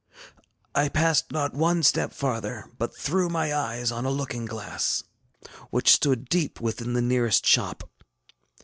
ŌĆ£I passed not one step farther, but threw my eyes on a looking glass which stood deep within the nearest shop.